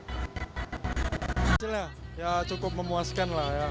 hasilnya ya cukup memuaskan lah ya